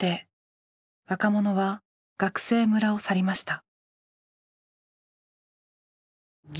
若者は学生村を去りました。